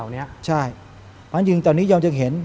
ทุรกิจเหล่านี้ตอนนี้ยังเห็น